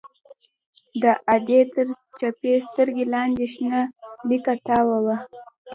د ادې تر چپې سترگې لاندې شنه ليکه تاوه وه.